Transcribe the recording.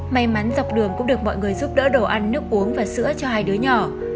may mắn dọc đường cũng được mọi người giúp đỡ đồ ăn nước uống và sữa cho hai đứa nhỏ